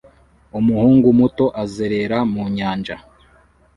Umuhungu muto azerera mu nyanja